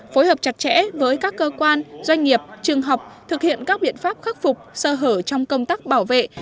phối hợp chặt chẽ với các cơ quan doanh nghiệp trường học thực hiện các biện pháp khắc phục sơ hở trong công tác bảo vệ